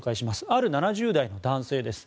ある７０代の男性です。